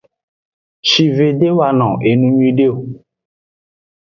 Shive de wano enu nyuide o.